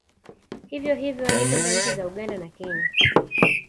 Hivyo hivyo hadi kwenda nchi za Uganda na Kenya